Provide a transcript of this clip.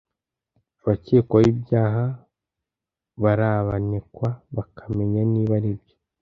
Abakekwaho ibyaha barabanekwa bakamenya niba aribyo